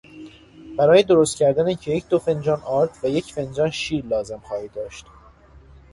برای درست کردن کیک دو فنجان آرد و یک فنجان شیر لازم خواهی داشت.